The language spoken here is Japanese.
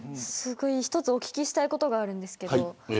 １つ、お聞きしたいことがあるんですけど。